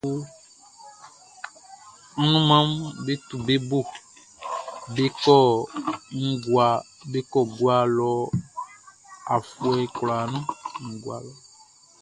Anunmanʼm be tu be bo be kɔ ngua lɔ afuɛ kwlaa nun.